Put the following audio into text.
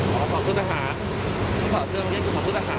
ขอบคุณภาคขอบคุณภาคขอบคุณภาคไปให้เจ้า